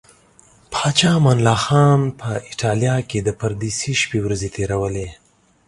پاچا امان الله خان په ایټالیا کې د پردیسۍ شپې ورځې تیرولې.